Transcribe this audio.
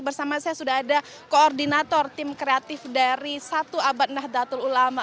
bersama saya sudah ada koordinator tim kreatif dari satu abad nahdlatul ulama